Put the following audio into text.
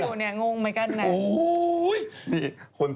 เห็นอยู่งงไหมกันนั้น